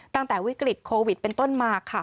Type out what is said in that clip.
ตั้งแต่วิกฤตโควิดเป็นต้นมาค่ะ